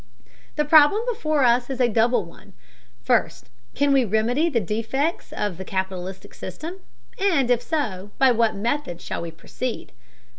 The problem before us is a double one: First, can we remedy the defects of the capitalistic system? And, if so, by what method shall we proceed?